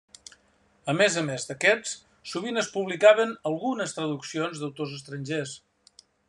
A més a més d'aquests, sovint es publicaven algunes traduccions d'autors estrangers.